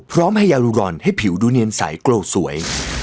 พร้อมให้ยารูรอนให้ผิวดูเนียนใสโกรธสวย